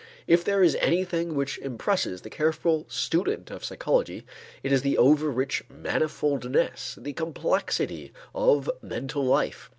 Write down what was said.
If there is anything which impresses the careful student of psychology, it is the over rich manifoldness, the complexity of mental life.